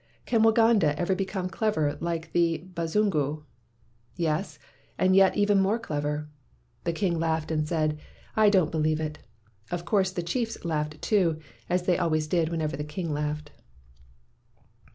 "Can Waganda ever become clever like the BaziinguV "Yes, and yet even more clever." The king laughed and said; "I don't be lieve it." Of course, the chiefs laughed too, as they always did whenever the king laughed.